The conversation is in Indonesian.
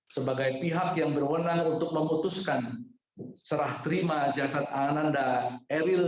sebagai pihak yang berwenang untuk memutuskan serah terima jasad ananda eril